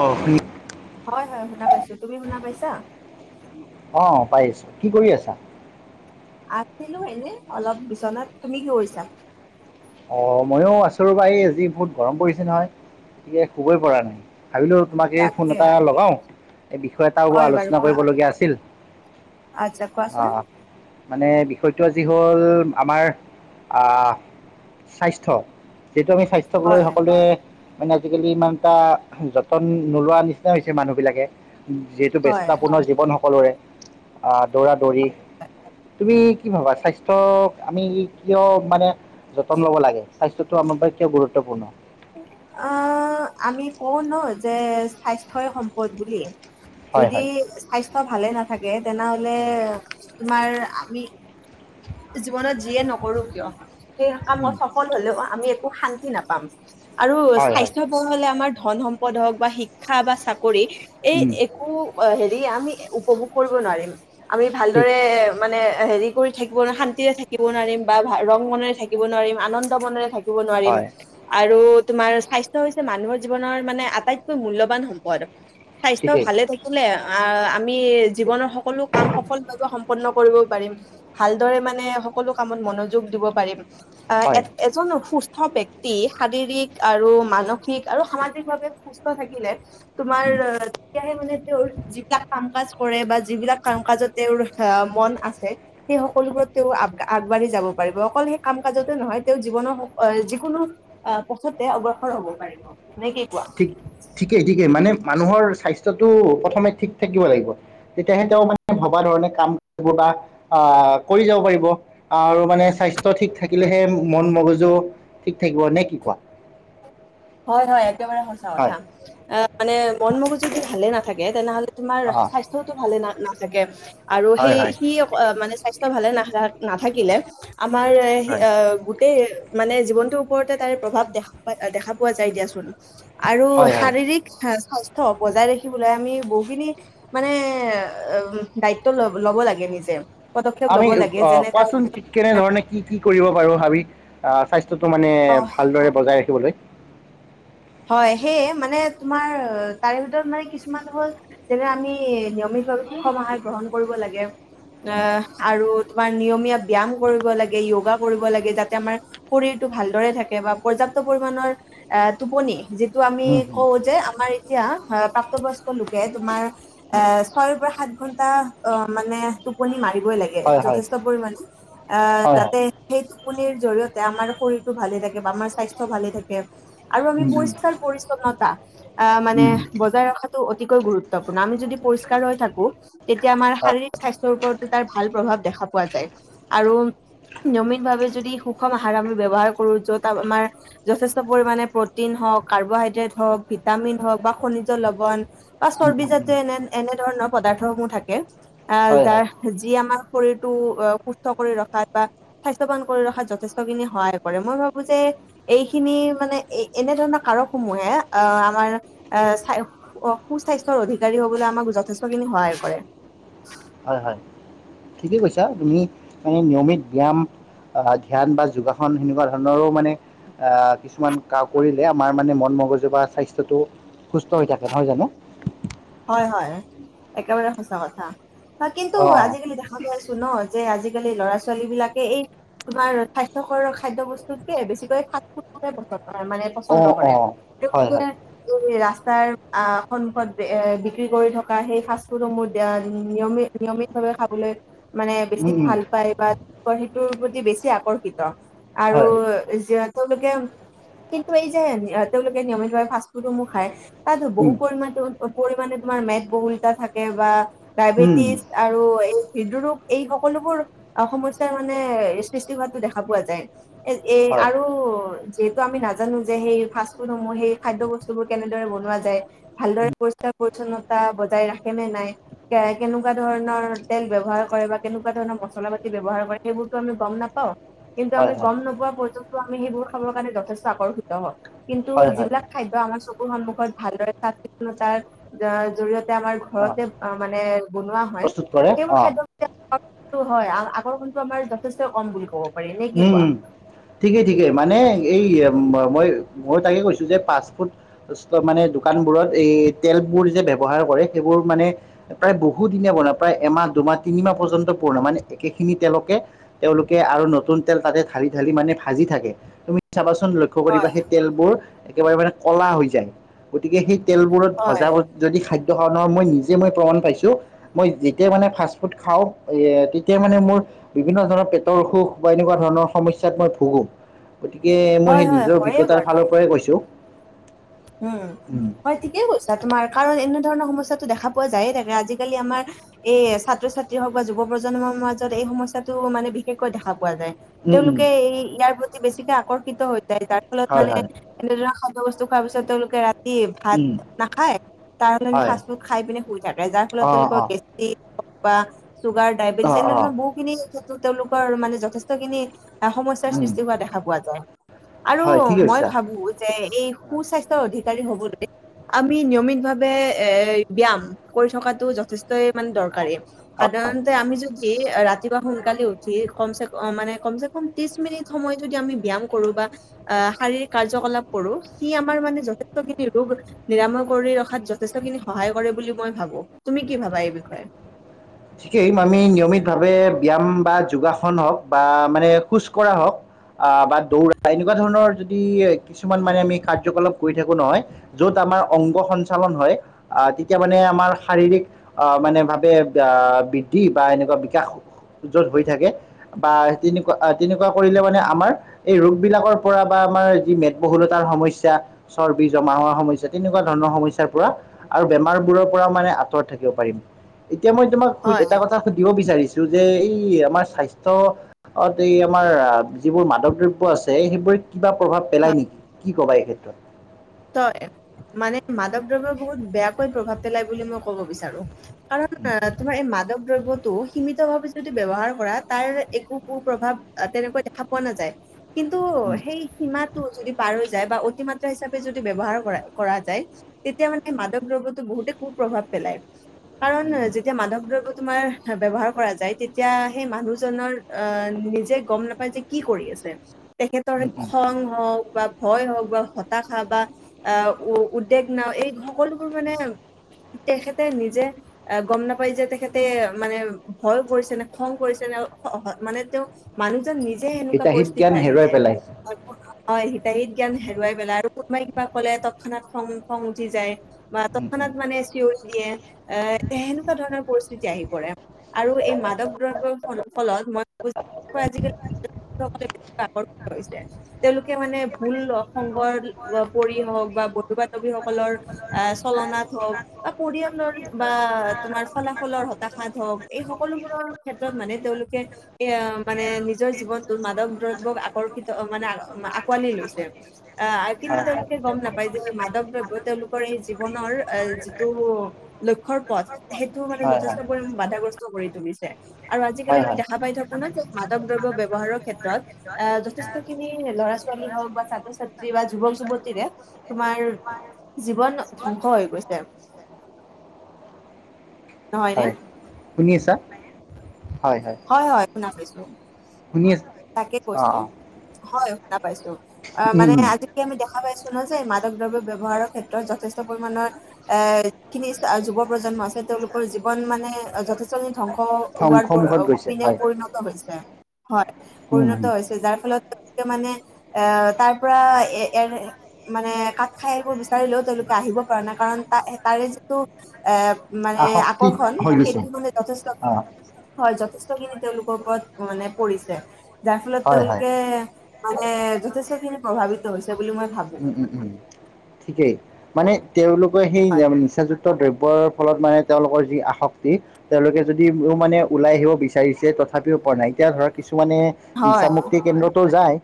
অ ফিপ। হয় হয় শুনা পাইছোঁ তুমি শুনা পাইছা। অ পাই আছোঁ। কি কৰি আছা? আছিলো এনে অলপ বিচনাত, তুমি কি কৰিছা? অ ময়ো আছো ৰবা এই আজি বহুত গৰম পৰিছে নহয়, গতিকে শুবই পৰা নাই। ভাবিলোঁ তোমাক এই ফোন তাকে এটা লগাওঁ, এই বিষয় এটাও ব হয় বাৰু আলোচনা কোৱা কৰিবলগীয়া আছিল। আচ্ছা কোৱাচোন। আহ মানে বিষয়টো আজি হ'ল আমাৰ, আ স্বাস্থ্য। যিহেতটো আমি স্বাস্থ্যক লৈ হয় সকলোৱে। মানে আজিকালি ইমান এটা যতন নোলোৱা নিচিনা হৈছে মানুহ বিলাকে। যিহেতু হয় ব্যস্ততাপূৰ্ণ জীৱন সকলোৰে, আহ দৌৰা দৌৰি। তুমি কি ভাবা স্বাস্থ্য, আমি কিয় মানে। যতন লব লাগে স্বাস্থ্যটো আমাৰ বাবে কিয় গুৰুত্বপূৰ্ণ। অ আমি কওঁ ন যে স্বাস্থ্যই সম্পদ বুলি। হয় যদি হয় স্বাস্থ্য ভালে নাথাকে তেনেহলে। তোমাৰ আমি, জীৱনত যিয়ে নকৰো কিয়। সেই কামত উম, সফল হলেও আমি একো শান্তি নাপাম, আৰু হয় হয় স্বাস্থ্য বৰ হলে আমাৰ। ধন সম্পদ হওক বা শি। স।।।।। ক্ক।।।।।।।।।।।।।।। ক্ষা বা চাকৰি, এই উম, একো। আমি উপভোগ কৰিব নোৱাৰিম, আমি ঠিক ভালদৰে মানে হেৰি কৰি থাকি শান্তিৰে থাকিব নোৱাৰিম বা ৰং মনেৰে থাকিব নোৱাৰিম আনন্দ মনেৰে থাকি ব নোৱাৰিম হয় আৰু। তোমাৰ স্বাস্থ্য হৈছে মানুহৰ জীৱনৰ মানে আটাইতকৈ মূলবান সম্পদ। স্বাস্থ্য ঠিকেই ভালে থাকিলে আহ আমি জীৱনৰ সকলো কাম সফলভাৱ সম্পন্ন। কৰিব পাৰিম ভালদৰে মানে সকলো কামত মনোযোগ দিব পাৰিম। অ হয় এজন সুস্থ। ব্যক্তি শাৰীৰিক আৰু মানসিক আৰু সামাজিকভাৱে সুস্থ থাকিলে। তুমাৰ উম, মানে যি কাম কাজ। কৰে বা যিবিলাক কাম কাজত তেওঁৰ মন আছে। সেই সকলোবোৰত তেওঁ আগবাঢ়ি যাব পাৰিব অকল সেই কাম কাজতে নহয় তেওঁ জীৱনৰ যিকোনো। অ পাছতে অগ্ৰসৰ হব পাৰিব। নে কি কোৱা? ঠিক ঠিকেই ঠিকেই মানে। মানুহৰ স্বাস্থ্যতো প্ৰথমে ঠিক থাকিব লাগিব, তেতিয়াহে তেওঁ মানে ভবা ধৰণে কাম কৰিব বা। আহ কৰি যাব পাৰিব, আৰু মানে স্বাস্থ্য ঠিক থাকিলেহে মন মগজু আ ঠিক থাকিব নে কি কোৱা। হয় হয় একেবাৰে সঁচা কথা হয় আহ মানে মন মগো যদি ভালে নাথাকে তেনেহলে। তোমাৰ অ স্বাস্থ্যতো ভালে না নাথাকে আৰু হয় সেই হয় সি মানে স্বাস্থ। ভালে না নাথাকিলে আমাৰ হয় গোটেই। মানে জীৱনটোৰ ওপৰতে তাৰ প্ৰভাৱ দে দেখা পোৱা যায় দিয়াচোন। আৰু হয় হয় শাৰীৰিক সাস। স্বাস্থ্য বজাই ৰাখিবলৈ আমি বহুখিনি মানে আ উম দায়িত্ব ল ল'ব লাগে। সেই যে আমি অ কোৱাচোন কেনেধৰণে কি কি কৰিব পাৰোঁ ভাবি আ স্বাস্থ্য স্বাস্থ্যটো মানে ভালদৰে বজাই ৰাখিবলৈ। হয় সেয়ে মানে তোমাৰ তাৰে ভিতৰত মানে কিছুমান হ'ল, যেনে আমি নিয়মিতভাৱে কি সুষম আহাৰ গ্ৰহণ কৰিব লাগে। আহ আৰু তোমাৰ নিয়মীয়া ব্যয়াম কৰিব লাগে। যোগা কৰিব লাগে যাতে আমাৰ শৰীৰটো ভালদৰে থাকে বা পৰ্যাপ পৰ্যাপ্ত পৰিমাণৰ, এ টোপনি যিটো আমি উম, হুম। কওঁ যে আমাৰ এতিয়া ধৰা প্ৰাপ্তবয়ষ্ক লোকে তোমাৰ, এ ছয়ৰ পৰা সাত ঘন্টা অ মানে টোপনি মাৰিবই লাগে হয় হয় যথেষ্ট পৰিমাণে আহ হয় হয় যাতে সেই টোপনিৰ জৰিয়তে আমাৰ শৰীৰটো ভালে থাকে বা আমাৰ স্বাস্থ্য ভালে থাকে। আৰু আমি উম, উম, পৰিষ্কাৰ পৰিছন্নতা আহ মানে উম, বজাই ৰখাটো অতিকৈ গুৰুত্বপূৰ্ণ আমি যদি পৰিষ্কাৰ হৈ থাকো তেতিয়া আমাৰ হয়, শাৰীৰিক স্বাস্থ্যৰ ওপৰতো তাৰ ভাল প্ৰভাৱ দেখা পোৱা যায়, আৰু নিয়মিত ভাৱে যদি সুষম আহাৰ আমি ব্যৱহাৰ কৰোঁ য'ত আমাৰ যথেষ্ট পৰিমাণে প্ৰটিন হওঁক কাৰ্বহাইড্ৰেট হওঁক ভিটামিন হওঁক বা খনিজ লৱন বা উম, চৰ্বি উম, উম। জাতীয় এনে এনে ধৰণৰ পদাৰ্থসমূহ থাকে আহ হয় হয় যাৰ যি আমাৰ শৰীৰটো সুস্থ কৰি ৰখাত বা স্বাস্থ্যৱান কৰি ৰখাত যথেষ্টখিনি সহায় কৰে মই ভাবো যে। এইখিনি মানে এই এনেধৰণৰ কাৰকসমূহে আ আমাৰ আ চা সু স্বাস্থ্যৰ অধিকাৰী হ'বলৈ আমাক যথেষ্টখিনি সহায় কৰে। হয় হয় ঠিকে কৈছা তুমি মানে নিয়মিত ব্যায়াম আহ ধ্যান বা যোগাসন সেনেকুৱা ধৰণৰো মানে। আহ কিছুমান কাম কৰিলে আমাৰ মানে মন মগজু বা স্বাস্থ্যটো সুস্থ হৈ থাকে নহয় জানো। হয়, হয়। একেবাৰে সঁচা কথা বা কিন্তু অঁ অঁ আজিকালি দেখা পাইছোঁ ন। যে আজিকালি ল'ৰা ছোৱালী বিলাকে এই। তোমাৰ স্বাস্থ্যকৰ খাদ্য বস্তুতকে বেছিকৈ ফাষ্ট ফুডটোতে মানে পচন্দ অঁ কৰে অঁ হয় তেওঁলোকে হয় এই ৰাস্তাৰ অহ সন্মুখত এ বিক্ৰী কৰি থকা সেই ফাষ্ট ফুডসমূহ নিয়মিত নিয়মিতভাৱে খাবলৈ মানে বেছি উম, উম, ভাল পায় বা সেইটোৰ প্ৰতি বেছি আকৰ্ষিত। আৰু হয় যি তেওঁলোকে কিন্তু এই যে তেওঁলোকে নিয়মিতভাৱে ফাষ্ট ফুডসমূহ খায় তাত বহু উম, পৰিমাণে টো পৰিমাণে তোমাৰ মেদ বহুলতা থাকে বা উম, ডায়বেটিছ আৰু হৃদৰোগ এই সকলো বোৰ সমস্যাৰ মানে সৃষ্টি হোৱাটো দেখা পোৱা যায় এ এই হয় আৰু যিহেতু আমি নাজানো যে সেই ফাষ্ট ফুডসমূহ সেই খাদ্য বস্তুবোৰ কেনেদৰে বনোৱা যায় ভালদৰে পৰিষ্কাৰ পৰিছন্নতা বজাই ৰাখে নে নাই কে কেনেকুৱা ধৰণৰ তেল ব্যৱহাৰ কৰে বা কেনেক কেনেকুৱা ধৰণৰ মচলা পাতি ব্যৱহাৰ কৰে সেইবোৰ টো আমি গম নেপাওঁ কিন্তু হয় আমি হয় গম নোপোৱা পৰ্যন্তো আমি সেইবোৰ খাবৰ কাৰণে যথেষ্ট আকৰ্ষিত হওঁ কিন্তু হয় হয় হয় যিবিলাক খাদ্য আমাৰ চকুৰ সন্মুখত ভালদৰে থাকে তাৰ জ জৰিয়তে আমাৰ অঁ ঘৰতে অ মানে বনোৱা হয় প্ৰস্তুত কৰে সেইবোৰ অঁ খাদ্য আকৰ্ষণটো হয়। আ আকৰ্ষণটো আমাৰ যথেষ্ট কম বুলি ক'ব পাৰি নে কি উম কোৱা? উম ঠিকেই ঠিকেই মানে এই মই মই, মই তাকে কৈছোঁ যে ফাষ্ট ফুড মানে দোকানবোৰত এই তেলবোৰ যে ব্য ব্যৱহাৰ কৰে সেইবোৰ মানে প্ৰায় বহু দিনে বনায় প্ৰায় এমাহ দুমাহ তিনিমাহ পৰ্যন্ত পুৰণা মানে একে খিনি তেওঁলোকে তেওঁলোকে আৰু ন নতুন তেল তাতে ঢালি ঢালি মানে ভাজি থাকে তুমি চাবাচোন লক্ষ্য হয় কৰিবা সেই তেলবোৰ। একেবাৰে মানে কলা হৈ যায় গতিকে সেই তেলবোৰত ভজা হয় যদি খাদ্য ধৰণৰ মই নিজে মই প্ৰমাণ পাইছোঁ মই যেতিয়া মানে ফাষ্ট ফুড খাওঁ এ তেতিয়াই মানে মোৰ বিভিন্ন ধৰণৰ পেটৰ অসুখ বা এনেকুৱা ধৰণৰ সমস্যাত মই ভুগো। গতিকে মই হয় সেই হয় নিজৰ হয়ে অভিজ্ঞতাৰ বাৰু ফালৰ পৰাই কৈছোঁ। উম হয় ঠিকেই কৈছা তোমাৰ কাৰণ এনে। ধৰণৰ সমস্যাতো দেখা পোৱা যায়েই থাকে আজিকালি আমাৰ এই ছাত্ৰ ছাত্ৰী হওক বা যুৱ প্ৰজন্মৰ মাজত এই। সমস্যাটো মানেষকৈ দেখা। পোৱা য উম, উম, তেওঁলোকে এই ইয়াৰ প্ৰতি বেছিকে আকৰ্ষিত হৈ যায় তাৰ ফলত হয়, মানে হয়, এনেধ। বস্তু খোৱাৰ পিছত তেওঁলোকে ৰাতি ভাত উম, নাখায়। তাৰ হয়, ফাষ্ট ফুড খাই পিনে শুই থাকে যাৰ ফলত অ', তেওঁলোকৰ অ', গে। বা চুগাৰ ডায়েবেটিছ অ', এনেধৰণৰ অ', বহুতখিনিেত তেওঁলোকৰ মানে যথেষ্টখিনি। সমস্যাৰ উম, সৃষ্টি হোৱা দেখা পোৱা যায় আৰু হয়, ঠিক মই কৈছা। ভাবো যে এই। স্বাস্থৰ অধিকাৰ হব দ আমি নিয়মিত ভাৱে এ ব্যায়াম কৰি থকা যে। মানে দৰকাৰে সাধাৰণতে আমি যদি। ৰাতিপা সোনকালে উঠি কম ক মানে কম চ কম ত্ৰিশ মিনিট সময় যদি আমি ব্যয়াম কৰো বা। শাৰীৰিক কাৰ্যকলাপ কৰো। সি আমাৰ মানে যথেষ্ট খিনি ৰোগ নিৰাময় কৰি ৰখাত যথেষ্ট খিনি সহায় কৰে বুলি মই ভাবো। তুমি কি ভাবা এই বিষয়ে। ঠিকেই আমি নিয়মিত ভাৱে ব্যায়াম বা যোগাসন হওক বা মানে খোজ কঢ়া হওক আহ বা দৌৰা এনেকুৱা ধৰণৰ যদি কিছুমান মানে আমি কাৰ্যকলাপ কৰি থাকো নহয় য'ত তোমাৰ মানে অংগ সঞ্চালন হয় তেতিয়া মানে আমাৰ শাৰীৰিক মানে বাবে আহ বৃদ্ধি বা এনেকুৱা বিকাশ। যত হৈ থাকে বা তেনেকুৱা তেনেকুৱা কৰিলে মানে আমাৰ এই ৰোগ বিলাকৰ পৰা বা আমাৰ যি মেদবহুলতাৰ সমস্যা চৰ্বি জমা হোৱা সমস্যা তেনেকুৱা ধৰণৰ সমস্যাৰ পৰা আৰু বেমাৰ বোৰৰ পৰা মানে আঁতৰ থাকিব পাৰিম এতিয়া মই তোমাক হয়, এটা হয়। কথা সুধিব বিচাৰিছো। যে এই আমাৰ স্বাস্থ্যত এই আমাৰ যিবোৰ মাদক দ্ৰব্য আছে সেইবোৰ। কিবা প্ৰভাৱ পেলাই নেকি কি ক'বা এই ক্ষেত্ৰত। তই মানে মাধৱ দ্ৰব্যৰ বহুত বেয়াকৈ প্ৰভাৱ পেলাই বুলি মই কব বিচাৰো। কাৰণ তোমাৰ এই মাধৱ। দ্ৰব্যতটো সীমিত ভাৱে যদি ব্য্ৱহাৰ কৰা তাৰ একো কু প্ৰভাৱ তেনেকুৱা দেখা পোৱা নাযায়। কিন্তু উম, সেই সীমাটো যদি পাৰ হৈ যায় বা অতিমাত্ৰা হিচাপে। যদি ব্যৱহাৰ কৰা কৰা যায় তেতিয়া মানে মাদক দ্ৰব্যতো বহুতে কু প্ৰ্ভাৱ পেলায়। কাৰণ যেতিয়া মাধৱ দ্ৰব্য। তোমাৰ ব্যৱহাৰ কৰা যায় তেতিয়া সেই মানুহজনৰ আহ নিজে গম নাপায় যে কি কৰি আছে। তেখেতৰ উম, উম। খং হওক বা ভয় হওক বা স খা বা আহ উ উদ্বেগ নাও এই সকলোবোৰ মানে তেখেতে নিজে এ গম নাপাই যে তেখেতে মানে ভয় কৰিছে নে খং কৰিছে মানে তেওঁ মানুহ নিজে সেনেকুৱা হিতাহিত জ্ঞান পৰিস্থিতিত আহি হেৰুৱাই যায় পেলাই। হয় হিতাহিত জ্ঞান হেৰুৱাই পেলা। কোনোবাই কিবা ক'লে তৎক্ষণাত খং খং উঠি যায় বা উম, উম। তৎক্ষণাত মানে চিঞৰি দিয়ে। এ সেনেকুৱা ধৰণৰ পৰিস্থিতি আহি পৰে আৰু এই মাদক দৱ্যৰ ফলত মই আজিকালি তেওঁলোকে মানে ভুলসংগৰ। পৰি হওক বা বন্ধু বান্ধৱীসকলৰ আহ চলনাত হওক বা পৰিয়ালৰ বা। বা তোমাৰ ফলাফলৰ হতাশাত হওক এই সকলোবোৰৰ ক্ষেত্ৰত মানে তেওঁলোকে মানে নিজৰ জীৱনটোত মাদক দ্ৰব্যক আকৰ্ষিত মানে আঁকোৱালি লৈছে আহ কিন্তু হয় হয়। তেওঁলোকে গম নাপায় যে এই মাধৱ দ্ৰব্য তেওঁলোকৰ এই জীৱনৰ এ যিটো লক্ষ্ৰ সেইটো মানে হয় যথেষ্ট হয়। পৰিমে বাধাগ্ৰস্ত কৰি তুলিছে আৰু আজিকালি হয় হয় আমি দেখা পাই থাকো ন মাদক দ্ৰব্য ব ব্যৱহাৰৰ ক্ষেত্ৰত যথেষ্টখিনি ধৰাস্বালী হও বা ছাত্ৰ ছাত্ৰীবাজ। যুৱতীৰে তোমাৰ জীৱন ধ্বংস হৈ গৈছে। নহয় নে হয় শুনি আছা হয় হয় শুনা পাইছো শুনি আছা তাকে অ কৈছো অ হয় শুনা পাইছো অ উম মানে উম। আজি আমি দেখা পাইছো। শুনা যে এই মাদক দ্ৰব্য ব্যৱহাৰৰ ক্ষেত্ৰত যথেষ্ট পৰিমানৰ এ যিখিনি যুৱ প্ৰজন্ম আছে তেওঁলোকৰ জীৱন মানে যথেষ্ট ধ্বংস হোৱাৰ প ধ্বংসমুখত গৈছে পিনে হয়। পৰিণত হৈছে, হয় উম পৰিণত উম হৈছে যাৰ ফলত লোক মানে এ তাৰ পৰা এ এ মানে কাঠ খাই এইবোৰ বিচাৰিলেও তেওঁলোক কে আহিব পৰা নাই কাৰণ ত তাৰে যিটো এ মানে আসক্তিত আকৰ্ষণ হৈ গৈছে সেইটো মানে যথেষ্ট অ'। হয় যথে ষ্টখিনি তেওঁলোকৰ ওপৰত মানে পৰিছে যাৰ ফলত হয় হয়। তেওঁলোকে মানে যথেষ্টখিনি প্ৰভাৱিত হৈছ উম উম উম ঠিকেই। মানে তেওঁলোকৰ সেই হয় নিচাযুক্ত দ্ৰব্যৰ ফলত মানে তেওঁলোকৰ যি আসক্তি তেওঁলোক যদিও মানে ওলাই আহিব বিচাৰিছে তথাপিও পোৱা নাই এতিয়া ধৰক কিছু মানে হয় নিছামুক্তি কেন্দ্ৰতো যায়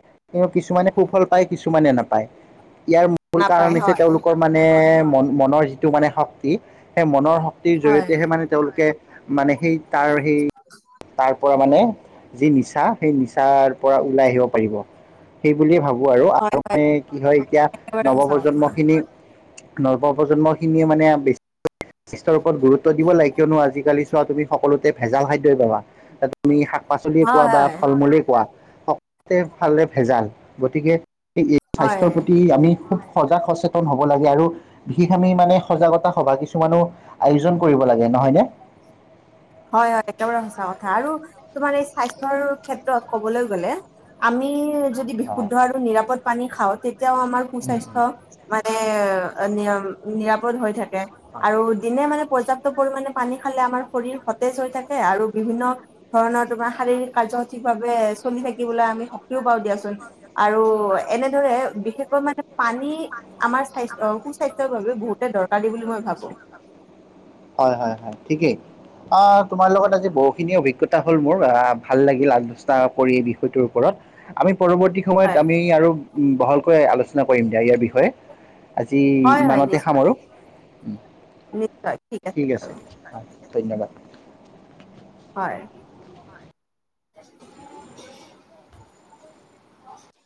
কিছুমানে সুফল পায় কিছুমানে নাপায়। ইয়াৰ মূল কাৰণ নাপায় হৈছে হয় তেওঁলোকৰ মানে মন মনৰ যিটো মানে শক্তি সেই মনৰ শ ক্তী হয় জৰিয়তেহে মানে তেওঁলোকে মানে সেই তাৰ সেই তাৰ পৰা মানে যি নিচ চা সেই নিচাৰ পৰা ওলাই আহিব পাৰিব সেই বুলিয়ে ভাবোঁ। আৰু হয় আৰু হয় মান কি হয় এতিয়া একেবাৰে নৱ সঁচা কথা প্ৰজন্ম খিনি নৱপ্ৰন্মখিনিয়ে মানে বেছি স্বাস্থ্যৰ ওপৰত গুৰুত্ব দিব লাগে কিয়নো আজিকালি চোৱা তুমি সকলোতে ভেজাল খাদ্যই পাবা আমি শাক- পাচলিয়ে হয় কোৱা বা হয় ফল মূলেই কোৱা সকলে ভালে ভেজাল গতিকে স্বাস্থ্যৰ হয় প্ৰতি আমি খুব সজাগ সচেতন হ'ব লাগে আৰু বিশেষ আমি মানে সজাগতা সভা কিছু মানো আয়োজন কৰিব লাগে নহয় নে। হয় হয় একদম সঁচা কথা আৰু তোমাৰ এই স্বাস্থ্যৰ ক্ষেত্ৰত ক'বলৈ গ'লে আমি যদি মানে বিশুদ্ধ আৰু নিৰাপদ পানী খাওঁ তেতিয়াও আমাৰ সুস্বাস্থ্য মানে নিৰা নিৰাপদ হৈ থাকে আৰু দিনে মানে পৰ্যাপ্ত পৰিমাণে পানী খালে আমাৰ শৰীৰ স তেজ হৈ থাকে আৰু বিভিন্ন ধৰণৰ তোমাৰ শাৰীৰিক কাৰ্য সঠিক ভাৱে চলি থাকিব আমি সক্ৰিয় হব দিয়াচোন, আৰু এনে ধৰে বিশেষকৈ মানে পানী আমাৰ স্বাস্থ্য সুস্বাস্থ্যৰ বাবে বহুতে দৰকাৰী বুলি মই ভাবোঁ। হয় হয় হয় ঠিকেই। অ তোমাৰ লগত আজি বহুখিনি অভিজ্ঞতা হ'ল মোৰ ভাল লাগিল আলোচনা কৰি এই বিষয়টোৰ ওপৰত। আমি পৰৱৰ্তী সময়ত হয় আমি আৰু বহলকৈ আলোচনা কৰিম দিয়া ইয়াৰ বিষয়ে। আজি হয় হয় ইমানতে নিশ্চয় সামৰো। ঠিক আছে হয় ধন্যবাদ। হয়। আ [inaudible]